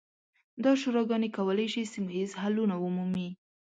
دا شوراګانې کولی شي سیمه ییز حلونه ومومي.